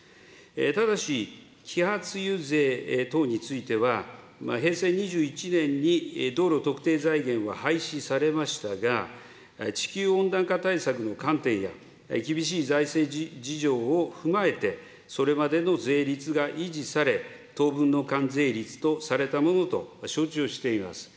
ただし、揮発油税等については、平成２１年に道路特定財源は廃止されましたが、地球温暖化対策の観点や、厳しい財政事情を踏まえて、それまでの税率が維持され、当分の関税率とされたものと承知をしています。